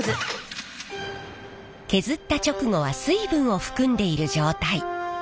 削った直後は水分を含んでいる状態。